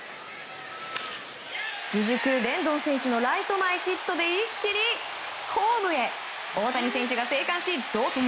続くレンドン選手のライト前ヒットで一気にホームへ大谷選手が生還し、同点。